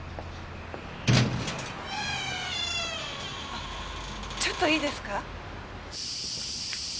あっちょっといいですか？